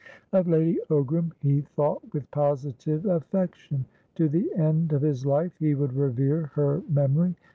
Of Lady Ogram he thought with positive affection; to the end of his life he would revere her memory.